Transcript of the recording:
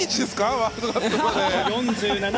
ワールドカップまで。